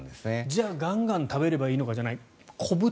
じゃあガンガン食べればいいのかじゃない。